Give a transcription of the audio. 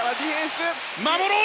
守ろう！